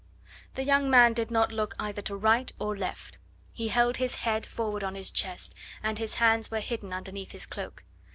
The young man did not look either to right or left; he held his head forward on his chest, and his hands were hidden underneath his cloak.